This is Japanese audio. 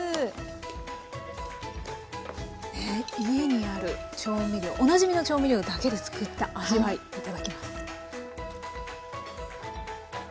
ねっ家にある調味料おなじみの調味料だけで作った味わいいただきます。